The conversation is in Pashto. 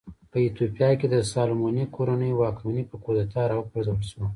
په ایتوپیا کې د سالومونیک کورنۍ واکمني په کودتا راوپرځول شوه.